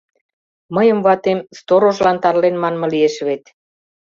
Мыйым ватем сторожлан тарлен манме лиеш вет.